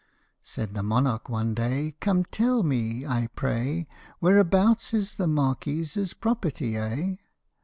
Said the monarch one day, " Come, tell me, I pray, Whereabouts is the Marquis's property, eh